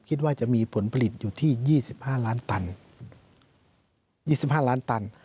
คิดว่าจะมีผลผลิตอยู่ที่๒๕ล้านตัน